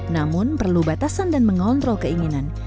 namun perlu batasan dan mengontrol keinginan